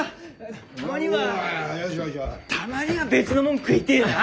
たまにはたまには別のもん食いてえよな。